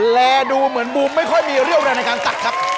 และดูเหมือนบูมไม่ค่อยมีเรี่ยวแรงในการสักครับ